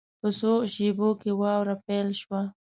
په څو شېبو کې واوره پیل شوه.